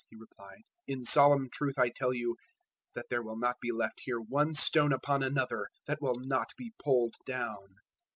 He replied; "in solemn truth I tell you that there will not be left here one stone upon another that will not be pulled down."